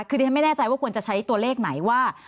คือดิฉันไม่แน่ใจว่าควรจะใช้ตัวเลขไหนว่า